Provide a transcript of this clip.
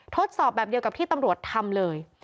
ทดสอบแบบเดียวกับที่ตำรวจทำเลย